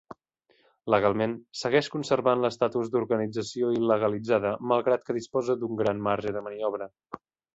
Legalment, segueix conservant l'estatus d'organització il·legalitzada malgrat que disposa d'un gran marge de maniobra.